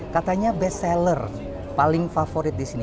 katanya best seller paling favorit disini